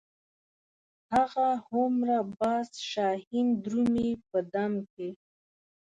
هغه هومره باز شاهین درومي په دم کې.